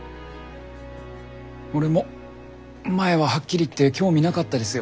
俺も前ははっきり言って興味なかったですよ